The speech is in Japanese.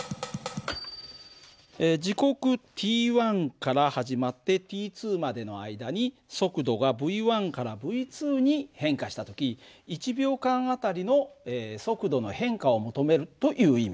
時刻ｔから始まってｔまでの間に速度がυからυに変化した時１秒間あたりの速度の変化を求めるという意味なんだ。